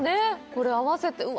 これ併せてうわ